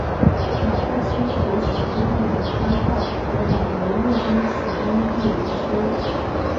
马步青所属部队的番号也改为陆军骑兵第五师。